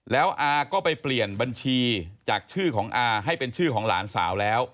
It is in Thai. แล้วอาก็ไปเปลี่ยนบัญชีจากชื่อของอาให้เป็นชื่อของหลานสาวแล้ว